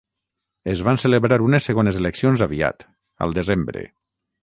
Es van celebrar unes segones eleccions aviat, al desembre.